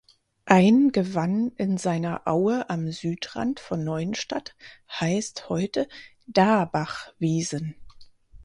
Ein Gewann in seiner Aue am Südrand von Neuenstadt heißt heute "Dahbachwiesen".